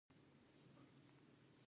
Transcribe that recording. خو دغه پاڅون هم له ماتې سره مخ شو.